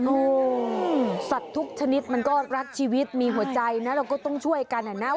สัตว์ทุกชนิดมันก็รักชีวิตมีหัวใจนะเราก็ต้องช่วยกันอ่ะนะ